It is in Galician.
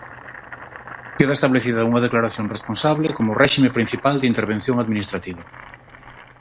Queda establecida unha declaración responsable como réxime principal de intervención administrativa.